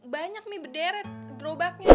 banyak mi berderet gerobaknya